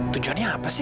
tujuannya apa sih